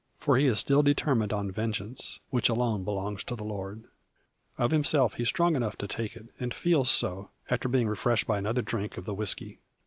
For he is still determined on vengeance, which alone belongs to the Lord. Of himself, he is strong enough to take it; and feels so, after being refreshed by another drink of the whiskey.